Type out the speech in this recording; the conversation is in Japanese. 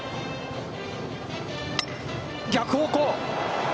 逆方向。